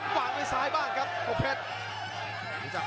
วางด้วยซ้ายบ้างครับวงเพชร